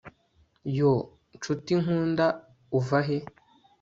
Yoo nshuti nkunda uva he